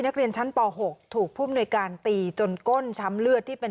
นักเรียนชั้นป๖ถูกผู้มนุยการตีจนก้นช้ำเลือดที่เป็น